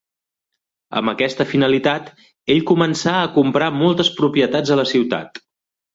Amb aquesta finalitat, ell començà a comprar moltes propietats a la ciutat.